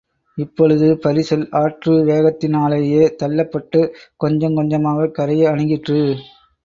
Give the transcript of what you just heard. இப்பொழுது பரிசல் ஆற்று வேகத்தினாலேயே தள்ளப்பட்டுக் கொஞ்சங் கொஞ்சமாகக் கரையை அணுகிற்று.